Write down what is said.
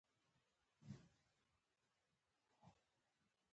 ډاکټر بايد د ټولني خدمت ګار وي.